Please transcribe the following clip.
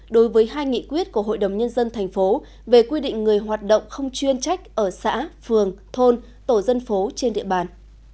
đối với hai nghị quyết của hội đồng nhân dân thành phố về quy định người hoạt động không chuyên trách ở xã phường thôn tổ dân phố trên địa bàn